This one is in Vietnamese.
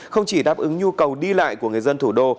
không chỉ đáp ứng nhu cầu đi lại của người dân thủ đô